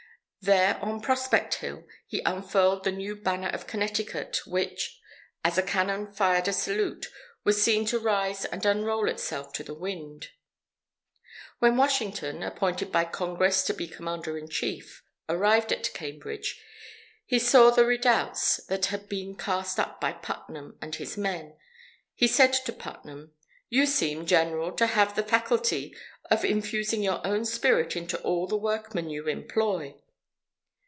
There on Prospect Hill he unfurled the new Banner of Connecticut, which, as a cannon fired a salute, was seen to rise and unroll itself to the wind. When Washington, appointed by Congress to be Commander in Chief, arrived at Cambridge, and saw the redoubts that had been cast up by Putnam and his men, he said to Putnam: "You seem, General, to have the faculty of infusing your own spirit into all the workmen you employ."